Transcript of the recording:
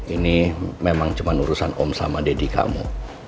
ini memang cuman urusan om sama daddy kamu